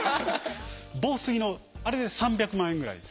防水のあれで３００万円ぐらいです。